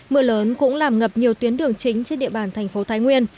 mưa lớn cũng làm ngập nhiều tuyến đường chính trên địa bàn thành phố thái nguyên